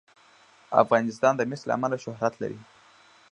افغانستان د مس له امله شهرت لري.